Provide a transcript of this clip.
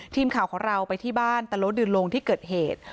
ทีมข่าวของเราไปที่บ้านตะโลดืนลงที่เกิดเหตุ